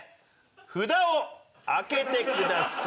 札をあげてください。